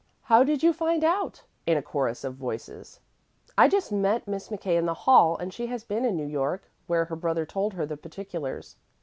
"How did you find out?" in a chorus of voices. "I just met Miss McKay in the hall, and she has been in New York, where her brother told her the particulars.